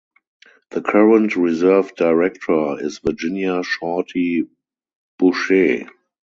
The current reserve director is Virginia "Shorty" Boucher.